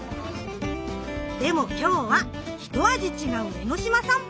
でも今日は一味違う江の島さんぽ。